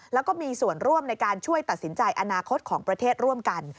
แล้วก็มีส่วนร่วมในการช่วยตัดสินใจอนาคตของประเทศร่วมกัน